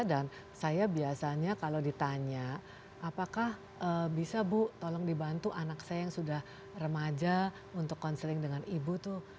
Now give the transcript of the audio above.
dan saya biasanya kalau ditanya apakah bisa bu tolong dibantu anak saya yang sudah remaja untuk counseling dengan ibu